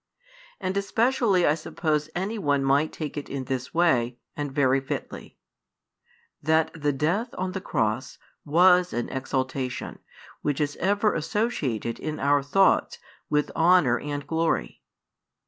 And especially I suppose any one might take it in this way, and very fitly; that the Death on the Cross was an exaltation which is ever associated in our thoughts with honour and glory.